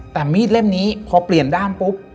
แต่มีดเล่มนี้พอเปลี่ยนด้ามปุ๊บ